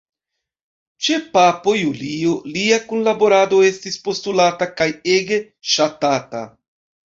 Ĉe papo Julio lia kunlaborado estis postulata kaj ege ŝatata.